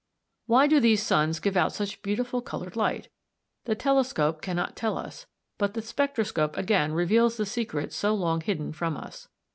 Why do these suns give out such beautiful coloured light? The telescope cannot tell us, but the spectroscope again reveals the secrets so long hidden from us.